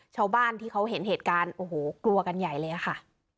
ชาวบ้านที่เขาเห็นเหตุการณ์โอ้โหกลัวกันใหญ่เลยค่ะ